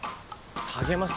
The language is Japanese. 励ます？